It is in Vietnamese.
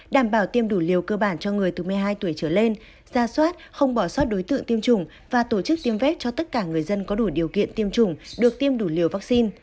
đảm bảo tiêm đủ liều cơ bản cho người từ một mươi hai tuổi trở lên ra soát không bỏ sót đối tượng tiêm chủng và tổ chức tiêm vét cho tất cả người dân có đủ điều kiện tiêm chủng được tiêm đủ liều vaccine